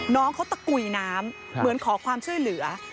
น้องเขาตะกุยน้ำเหมือนขอความช่วยเหลือ